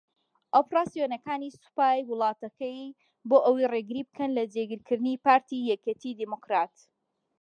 ئۆپەراسیۆنەکانی سوپای وڵاتەکەی بۆ ئەوەیە رێگری بکەن لە جێگیرکردنی پارتی یەکێتی دیموکرات